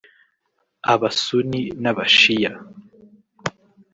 aba –Sunni n’aba-Shia